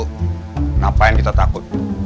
kenapa yang kita takut